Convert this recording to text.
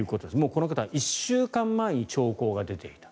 この方は１週間前に兆候が出ている。